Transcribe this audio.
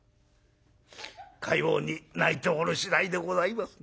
かように泣いておる次第でございます」。